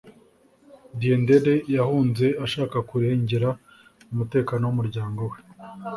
Diendéré yahunze ashaka kurengera umutekano w’umuryango we